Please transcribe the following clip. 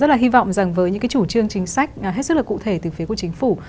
rất là hy vọng rằng với những cái chủ trương chính sách hết sức là cụ thể từ phía của chính phủ